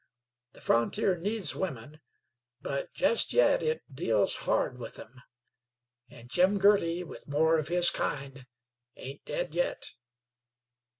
The frontier needs women; but jist yit it deals hard with them. An' Jim Girty, with more of his kind, ain't dead yit."